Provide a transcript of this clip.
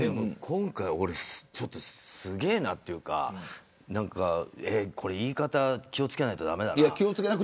今回すごいなというか言い方気を付けないと駄目だな。